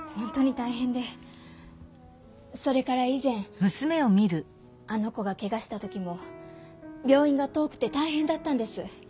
それから以前あの子がケガしたときも病院が遠くてたいへんだったんです。